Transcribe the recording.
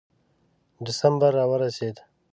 ډسمبر را ورسېد.